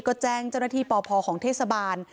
ก็แจ้งเจ้าหน้าที่ปพของเทศบาล